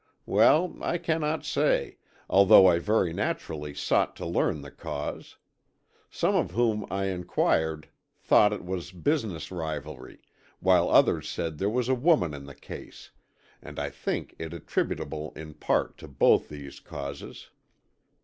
Well, I cannot say, although I very naturally sought to learn the cause. Some of whom I enquired thought it was business rivalry, while others said there was a woman in the case, and I think it attributable in part to both those causes.